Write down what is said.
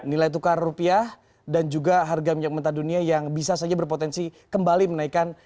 nilai tukar rupiah dan juga harga minyak mentah dunia yang bisa saja berpotensi kembali menaikkan